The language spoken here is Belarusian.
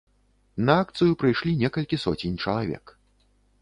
На акцыю прыйшлі некалькі соцень чалавек.